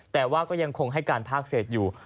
แต่ว่าก็ยังคงให้การภาคเศษอยู่